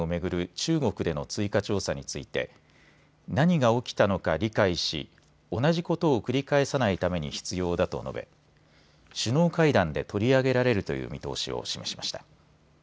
中国での追加調査について何が起きたのか理解し同じ事を繰り返さないために必要だと述べ首脳会談で取り上げられるという見通しを示しました。